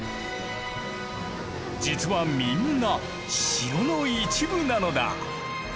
実はみんな城の一部なのだ。